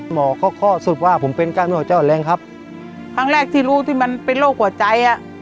หมอเขาข้อสุดว่าผมเป็นกล้ามหัวเจ้าแรงครับครั้งแรกที่รู้ที่มันเป็นโรคหัวใจอ่ะ